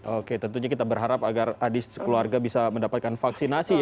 oke tentunya kita berharap agar adik sekeluarga bisa mendapatkan vaksinasi ya